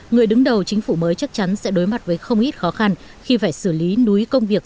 người đứng đầu chính phủ mới chắc chắn sẽ đối mặt với không ít khó khăn khi phải xử lý núi công việc